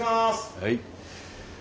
はい。